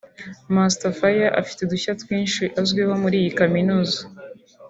Master Fire afite udushya twinshi azwiho muri iyi Kaminuza